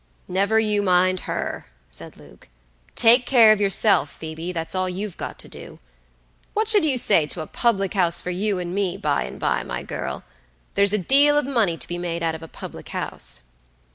"Never you mind her," said Luke; "take care of yourself, Phoebe; that's all you've got to do. What should you say to a public house for you and me, by and by, my girl? There's a deal of money to be made out of a public house."